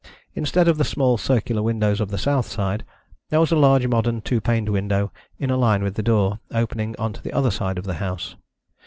Instead of the small circular windows of the south side, there was a large modern two paned window in a line with the door, opening on to the other side of the house.